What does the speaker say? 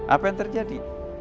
apa yang terjadi